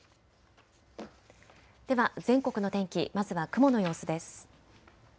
では全国の天気、まずは雲の様子です。